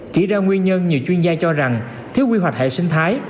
chỉ ra nguyên nhân nhiều chuyên gia cho rằng thiếu quy hoạch hệ sinh thái